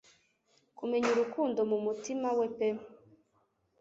Kumenya urukundo mumutima we pe